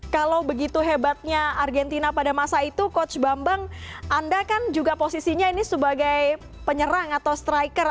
kalau begitu hebatnya argentina pada masa itu coach bambang anda kan juga posisinya ini sebagai penyerang atau striker